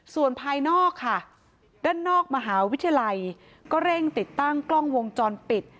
ส่วนภายนอกค่ะด้านนอกมหาวิทยาลัยก็เร่งติดตั้งกล้องวงจรปิด